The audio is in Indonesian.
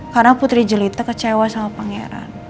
karena putri jelita kecewa sama pangeran